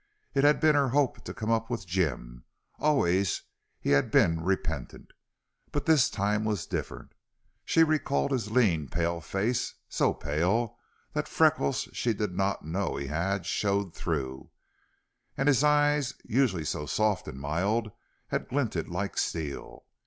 It had been her hope to come up with Jim. Always he had been repentant. But this time was different. She recalled his lean, pale face so pale that freckles she did not know he had showed through and his eyes, usually so soft and mild, had glinted like steel.